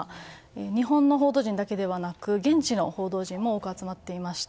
日本の報道陣だけではなく現地の報道陣も多く集まっていました。